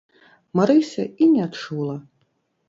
Марыся і не чула.